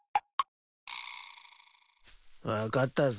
分かったぞ。